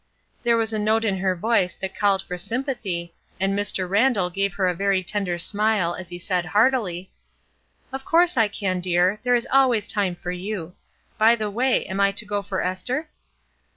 There was a note in her voice that called for sympathy, and Mr. Randall gave her a very tender smile as he said heartily: — 56 ESTER WED'S NAMESAKE "Of course I can, dear; there is always time for you. By the way, am I to go for Esther?